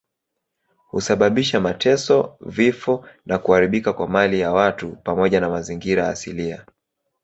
Husababisha mateso, vifo na kuharibika kwa mali ya watu pamoja na mazingira asilia.